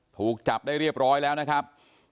ถูกจับได้เรียบร้อยแล้วนะครับ